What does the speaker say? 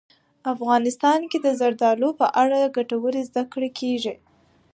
افغانستان کې د زردالو په اړه ګټورې زده کړې کېږي.